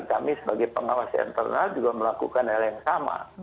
kami sebagai pengawas internal juga melakukan hal yang sama